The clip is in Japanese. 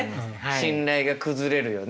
信頼が崩れるよね。